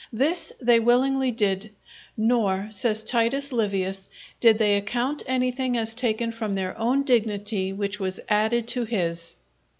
This they willingly did; "nor," says Titus Livius, "_did they account anything as taken from their own dignity which was added to his.